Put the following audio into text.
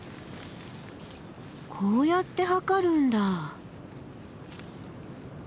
こうやって測るんだ。